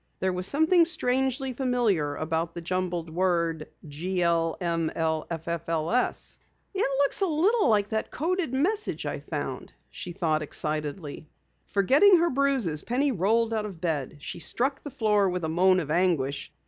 There was something strangely familiar about the jumbled word, GLMLFFLS. "It looks a little like that coded message I found!" she thought excitedly. Forgetting her bruises, Penny rolled out of bed. She struck the floor with a moan of anguish.